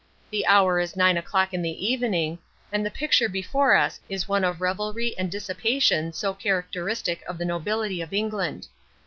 The hour is nine o'clock in the evening, and the picture before us is one of revelry and dissipation so characteristic of the nobility of England.